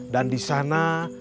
dan di sana